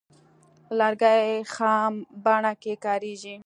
لرګی خام بڼه کې کاریږي.